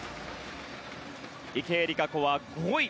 池江璃花子は５位。